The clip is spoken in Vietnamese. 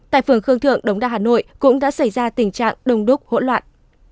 tại phường khương thượng đống đa hà nội cũng đã xảy ra tình trạng đông đúc hỗn loạn